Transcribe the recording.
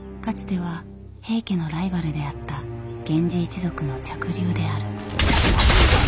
かつては平家のライバルであった源氏一族の嫡流である。